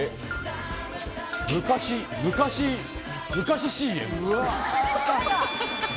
昔、昔ＣＭ。